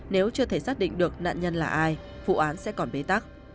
nếu chưa thể xác định được nạn nhân là ai vụ án sẽ còn bế tắc